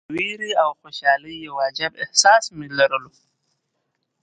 د ویرې او خوشالۍ یو عجیب احساس مې لرلو.